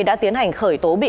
đã tiến hành khởi tố bị can